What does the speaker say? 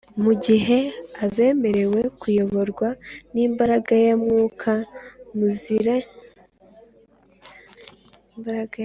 mu gihe abemeye kuyoborwa n’imbaraga ya mwuka muziranenge batangira kwirwanya ubwabo